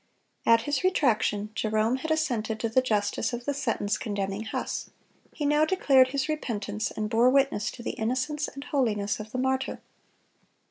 At his retraction, Jerome had assented to the justice of the sentence condemning Huss; he now declared his repentance, and bore witness to the innocence and holiness of the martyr.